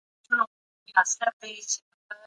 ملکیت د انسان طبعي حق دی.